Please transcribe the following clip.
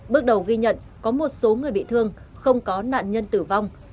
bước đầu ghi nhận có một số người bị thương không có nạn nhân tử vong